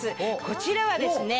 こちらはですね